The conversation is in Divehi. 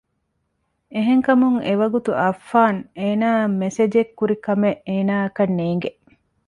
އެހެންކަމުން އެ ވަގުތު އައްފާން އޭނާއަށް މެސެޖެއް ކުރިކަމެއް އޭނާއަކަށް ނޭނގެ